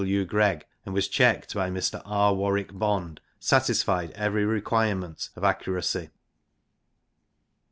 W. Greg and was checked by Mr. R. Warwick Bond, satisfied every requirement of accuracy.